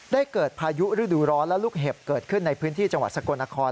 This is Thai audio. เกิดพายุฤดูร้อนและลูกเห็บเกิดขึ้นในพื้นที่จังหวัดสกลนคร